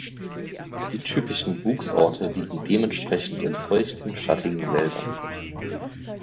Die typischen Wuchsorte liegen dementsprechend in feuchten, schattigen Wäldern.